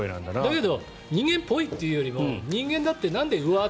だけど人間っぽいっていうより人間だってなんでうわっ！